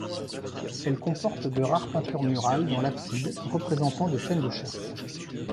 Elle comporte de rares peintures murales dans l'abside, représentant des scènes de chasse.